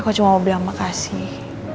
aku cuma mau bilang makasih